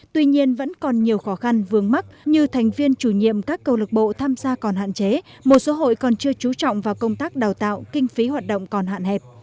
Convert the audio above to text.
tuy nhiên vẫn còn nhiều khó khăn vướng mắt như thành viên chủ nhiệm các câu lạc bộ tham gia còn hạn chế một số hội còn chưa trú trọng vào công tác đào tạo kinh phí hoạt động còn hạn hẹp